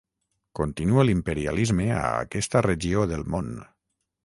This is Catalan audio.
Continua l'imperialisme a aquesta regió del món.